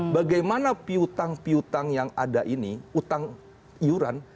bagaimana piutang piutang yang ada ini utang iuran